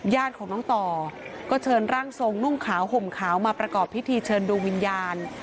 ญาติของน้องต่อก็เชิญร่างทรงนุ่งขาวห่มขาวมาประกอบพิธีเชิญดวงวิญญาณ